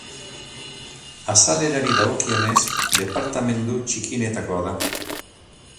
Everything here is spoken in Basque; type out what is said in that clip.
Azalerari dagokionez, departamendu txikienetakoa da.